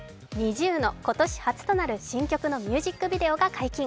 ＮｉｚｉＵの今年初となる新曲のミュージックビデオが解禁。